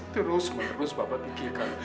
terus menerus bapak pikirkan